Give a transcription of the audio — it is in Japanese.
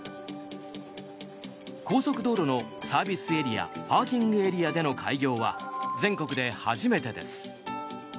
高速道路のサービスエリアパーキングエリアでの開業は全国で初めてです。